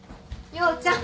陽ちゃん。